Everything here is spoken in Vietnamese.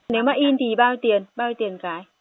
nếu mà in thì bao nhiêu tiền